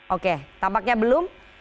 oke tampaknya belum